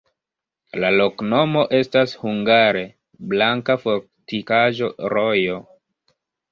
La loknomo estas hungare: blanka-fortikaĵo-rojo.